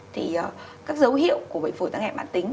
thì các dấu hiệu của bệnh phổi tác hệ mạng tính